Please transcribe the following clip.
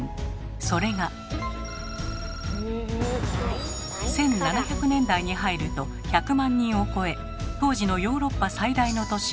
それが１７００年代に入ると１００万人を超え当時のヨーロッパ最大の都市